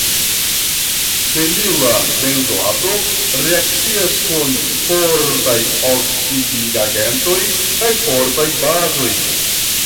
Fenila benzoato reakcias kun fortaj oksidigagentoj kaj fortaj bazoj.